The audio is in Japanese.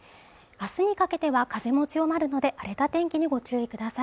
あすにかけては風も強まるので荒れた天気にご注意ください